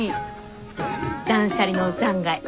断捨離の残骸。